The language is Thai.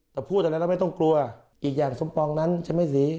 แต่พูดอะไรแล้วไม่ต้องกลัวอีกอย่างสมปองนั้นใช่ไหมสี